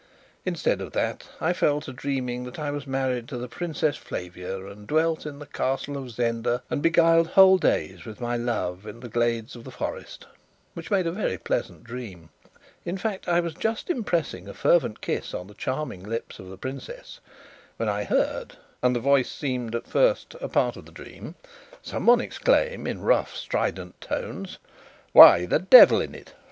Instead of that, I fell to dreaming that I was married to the Princess Flavia and dwelt in the Castle of Zenda, and beguiled whole days with my love in the glades of the forest which made a very pleasant dream. In fact, I was just impressing a fervent kiss on the charming lips of the princess, when I heard (and the voice seemed at first a part of the dream) someone exclaim, in rough strident tones. "Why, the devil's in it!